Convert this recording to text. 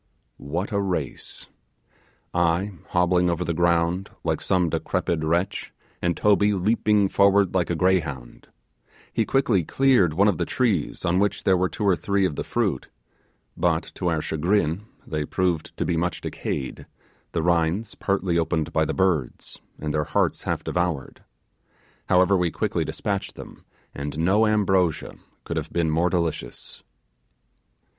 What a race! I hobbling over the ground like some decrepid wretch, and Toby leaping forward like a greyhound. He quickly cleared one of the trees on which there were two or three of the fruit, but to our chagrin they proved to be much decayed; the rinds partly opened by the birds, and their hearts half devoured. However, we quickly despatched them, and no ambrosia could have been more delicious.